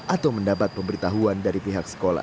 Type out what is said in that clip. atau mendapat pemberitahuan dari pihak sekolah